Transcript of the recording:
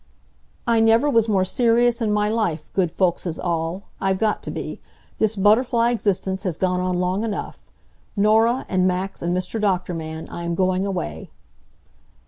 "I never was more serious in my life, good folkses all. I've got to be. This butterfly existence has gone on long enough. Norah, and Max, and Mr. Doctor Man, I am going away."